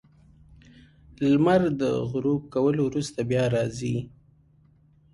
• لمر د غروب کولو وروسته بیا راځي.